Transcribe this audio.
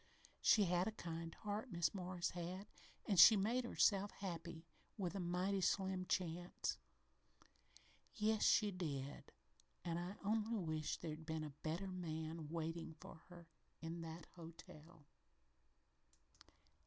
She had a kind heart, Mis' Morris had, an' she made herself happy with a mighty slim chance " "Yes, she did and I only wish there'd been a better man waitin' for her in that hotel."